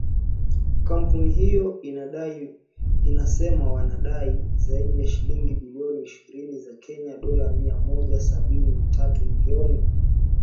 kampuni hiyo inasema wanadai zaidi ya shilingi bilioni ishirini za Kenya dola mia moja sabini na tatu milioni